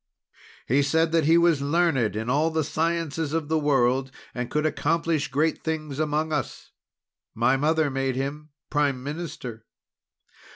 He said that he was learned in all the sciences of the world, and could accomplish great things among us. My mother made him prime minister.